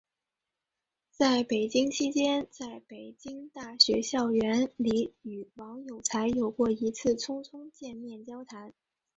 在北京期间在北京大学校园里与王有才有过一次匆匆见面交谈。